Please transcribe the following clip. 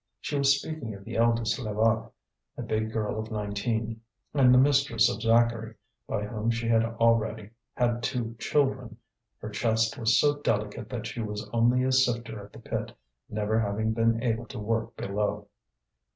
She was speaking of the eldest Levaque, a big girl of nineteen, and the mistress of Zacharie, by whom she had already had two children; her chest was so delicate that she was only a sifter at the pit, never having been able to work below.